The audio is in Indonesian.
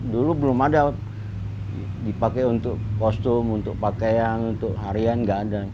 dulu belum ada dipakai untuk kostum untuk pakaian untuk harian nggak ada